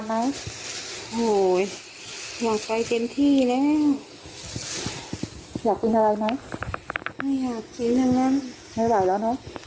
มียาดินที่แล้ว